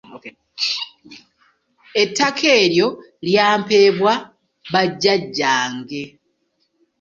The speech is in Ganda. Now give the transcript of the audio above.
Ettaka eryo lyampeebwa bajjajjange.